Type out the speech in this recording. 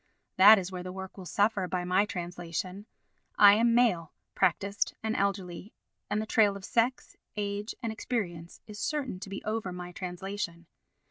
That is where the work will suffer by my translation. I am male, practised and elderly, and the trail of sex, age and experience is certain to be over my translation.